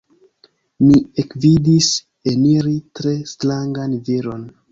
Mi ekvidis eniri tre strangan viron.